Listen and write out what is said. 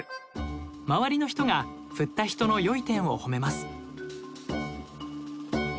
周りの人が振った人の良い点をほめます。